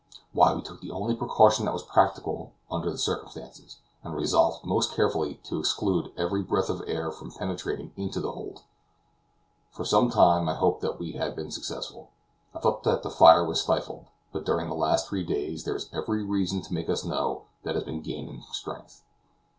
Why, we took the only precaution that was practicable under the circumstances, and resolved most carefully to exclude every breath of air from penetrating into the hold. For some time I hoped that we had been successful. I thought that the fire was stifled; but during the last three days there is every reason to make us know that it has been gaining strength.